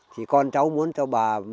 thì con cháu muốn cho bà